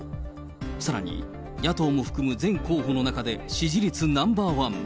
さらに野党も含む全候補の中で支持率ナンバー１。